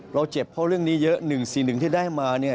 เราเจ็บเพราะเรื่องนี้เยอะหนึ่งสีหนึ่งที่ได้มาเนี่ย